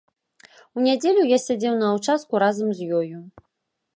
У нядзелю я сядзеў на ўчастку разам з ёю.